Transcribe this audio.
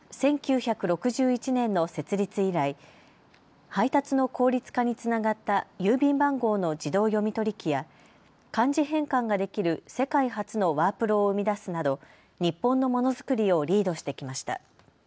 １９６１年の設立以来、配達の効率化につながった郵便番号の自動読み取り機や漢字変換ができる世界初のワープロを生み出すなど日本のものづくりをリードしてきました。